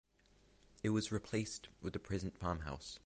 It was replaced with the present farmhouse.